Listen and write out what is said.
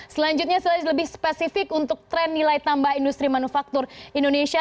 selanjutnya saya lebih spesifik untuk tren nilai tambah industri manufaktur indonesia